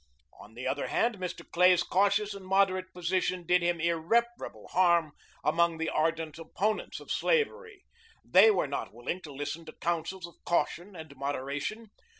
On the other hand, Mr. Clay's cautious and moderate position did him irreparable harm among the ardent opponents of slavery. They were not willing to listen to counsels of caution and moderation.